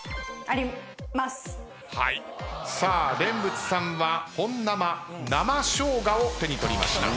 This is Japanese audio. さあ蓮佛さんは本生生しょうがを手に取りました。